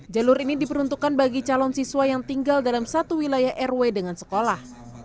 jalur ini diperuntukkan bagi calon siswa yang tinggal dalam satu wilayah rw dengan sekolah